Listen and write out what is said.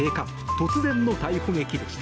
突然の逮捕劇でした。